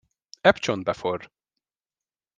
Ebcsont beforr.